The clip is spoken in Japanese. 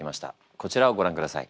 こちらをご覧ください。